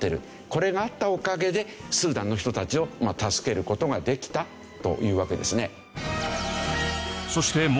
これがあったおかげでスーダンの人たちを助ける事ができたというわけですね。